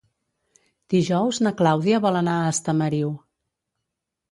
Dijous na Clàudia vol anar a Estamariu.